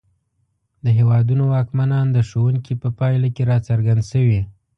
د هېوادونو واکمنان د ښوونکي په پایله کې راڅرګند شوي.